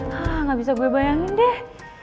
hah nggak bisa gue bayangin deh